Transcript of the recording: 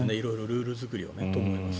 ルール作りをと思います。